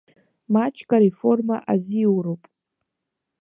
Маҷк ареформа азиуроуп.